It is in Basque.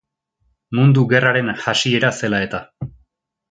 Mundu Gerraren hasiera zela eta.